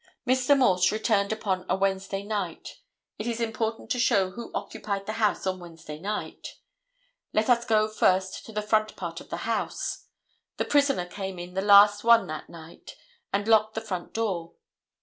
Mr. Morse returned upon a Wednesday night. It is important to show who occupied the house on Wednesday night. Let us go first to the front part of the house. The prisoner came in the last one that night and locked the front door.